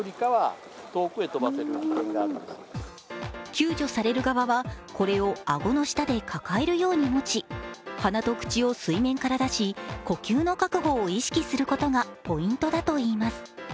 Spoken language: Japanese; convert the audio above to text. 救助される側は、これを顎の下で抱えるように持ち、鼻と口を水面から出し、呼吸の確保を意識することがポイントだといいます。